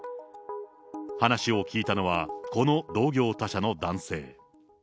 話を聞いたのは、この同業他社の男性。